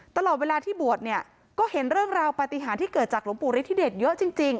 ตลอดเวลาที่บวชเนี่ยก็เห็นเรื่องราวปฏิหารที่เกิดจากหลวงปู่ฤทธิเดชเยอะจริง